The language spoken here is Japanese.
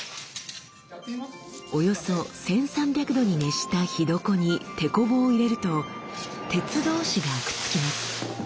およそ１，３００度に熱した火床にテコ棒を入れると鉄同士がくっつきます。